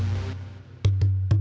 tidak bisa jadi sendiri